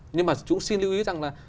nhưng mà chúng xin lưu ý rằng là